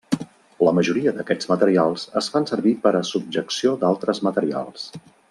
La majoria d'aquests materials es fan servir per a subjecció d'altres materials.